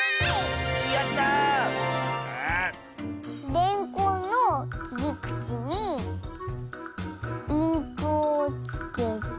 レンコンのきりくちにインクをつけて。